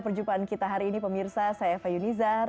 perjumpaan kita hari ini pemirsa saya faye unizar